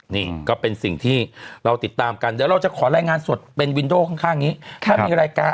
นี่ก็เป็นสิ่งที่เราติดตามกันเดี๋ยวเราจะขอรายงานสดเป็นวินโดข้างนี้ถ้ามีรายการ